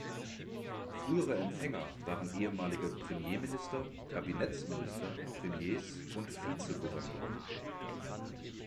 Frühere Empfänger waren ehemalige Premierminister, Kabinettsminister, Premiers und Vizegouverneure.